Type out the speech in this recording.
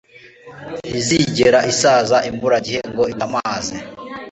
ntizigera isaza imburagihe ngo igutamaze